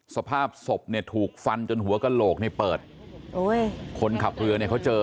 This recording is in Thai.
สภาพศพเนี่ยถูกฟันจนหัวกระโหลกนี่เปิดโอ้ยคนขับเรือเนี่ยเขาเจอ